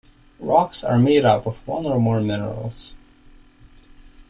Rocks are made up of one or more minerals.